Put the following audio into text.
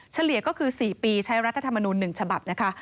เฉลี่ยก็คือ๔ปีใช้รัฐธรรมนูล๑ฉบับนะคะ